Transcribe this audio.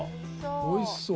おいしそう。